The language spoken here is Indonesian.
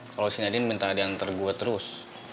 kalau si nadine minta dia antar gue terus